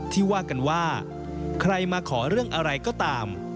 ที่ว่ากันว่าใครมาขอเรื่องอะไรก็ตาม